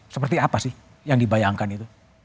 seperti apa sih yang dibayangkan itu